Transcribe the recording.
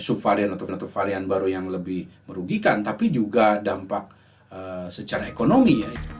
subvarian atau varian baru yang lebih merugikan tapi juga dampak secara ekonomi